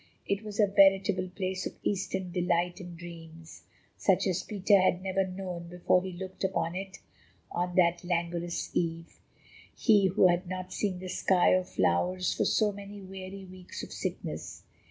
It was a veritable place of Eastern delight and dreams, such as Peter had never known before he looked upon it on that languorous eve—he who had not seen the sky or flowers for so many weary weeks of sickness.